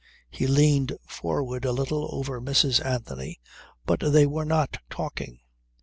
He leaned forward a little over Mrs. Anthony, but they were not talking.